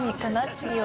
次は。